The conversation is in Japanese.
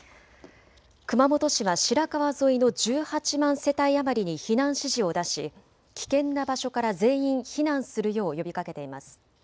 熊本市は白川沿いの１８万世帯余りに避難指示を出し危険な場所から全員避難するよう呼びかけています。